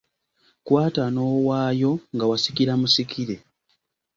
Kwata n’owaayo, nga wasikira musikire.